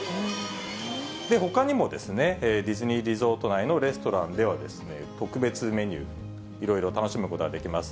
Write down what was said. ほかにもディズニーリゾート内のレストランでは、特別メニュー、いろいろ楽しむことができます。